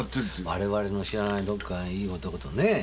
我々の知らないどっかいい男とねぇ？